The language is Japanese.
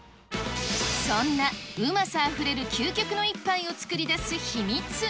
そんなうまさあふれる究極の一杯を作り出す秘密。